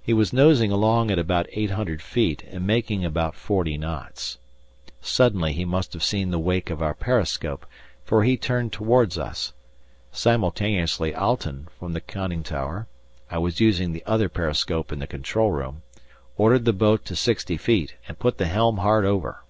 He was nosing along at about 800 feet and making about 40 knots. Suddenly he must have seen the wake of our periscope, for he turned towards us. Simultaneously Alten, from the conning tower (I was using the other periscope in the control room), ordered the boat to sixty feet, and put the helm hard over.